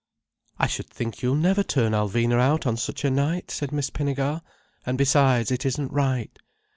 "I should think you'll never turn Alvina out on such a night," said Miss Pinnegar. "And besides, it isn't right.